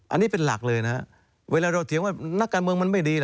อันนี้เป็นหลักเลยนะเวลาเราเถียงว่านักการเมืองมันไม่ดี